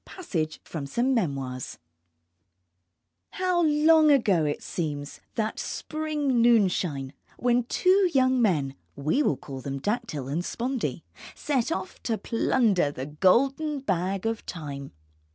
PASSAGE FROM SOME MEMOIRS How long ago it seems, that spring noonshine when two young men (we will call them Dactyl and Spondee) set off to plunder the golden bag of Time.